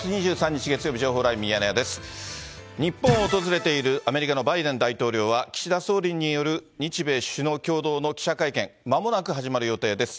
日本を訪れているアメリカのバイデン大統領は、岸田総理による日米首脳共同の記者会見、まもなく始まる予定です。